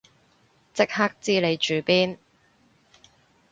即刻知你住邊